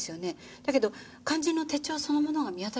だけど肝心の手帳そのものが見当たらないんです。